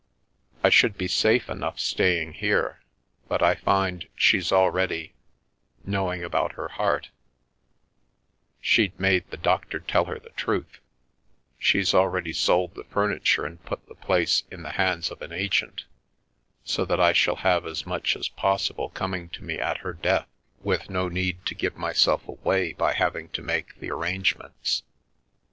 I should be safe enough staying here, but I find she's already — knowing about her heart — she'd made the doctor tell her the truth — she's already sold the furniture and put the place in the hands of an agent, so that I shall have as much as possible coming to me at her death, Secrecy Farm with no need to give myself away by having to make the arrangements.